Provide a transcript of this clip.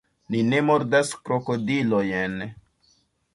Ni ne mordas krokodilojn.